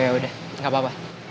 yaudah nggak apa apa